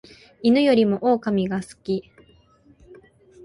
犬よりも狼が好き